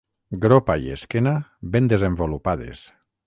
Gropa i esquena ben desenvolupades.